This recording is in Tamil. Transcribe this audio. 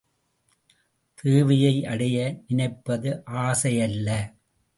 தேவையை அடைய நினைப்பது ஆசையல்ல.